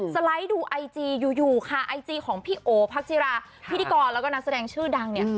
ไลด์ดูไอจีอยู่ค่ะไอจีของพี่โอพักจิราพิธีกรแล้วก็นักแสดงชื่อดังเนี่ย